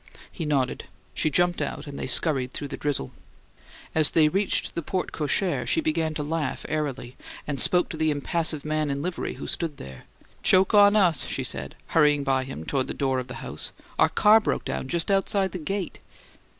He nodded; she jumped out; and they scurried through the drizzle. As they reached the porte cochere she began to laugh airily, and spoke to the impassive man in livery who stood there. "Joke on us!" she said, hurrying by him toward the door of the house. "Our car broke down outside the gate."